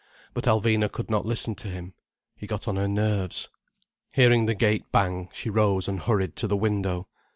But Alvina could not listen to him. He got on her nerves. Hearing the gate bang, she rose and hurried to the window.